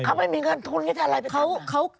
เขาไม่มีเงินทุนก็แทนอะไรไปกัน